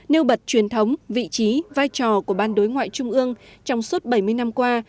nêu bật truyền thống vị trí vai trò của ban đối ngoại trung ương trong suốt bảy mươi năm qua